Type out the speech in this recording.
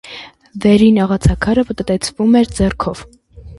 Վերին աղացաքարը պտտեցվում էր ձեռքով։